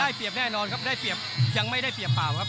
เปรียบแน่นอนครับได้เปรียบยังไม่ได้เปรียบเปล่าครับ